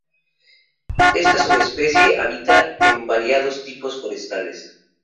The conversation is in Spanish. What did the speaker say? Esta subespecie habita en variados tipos forestales.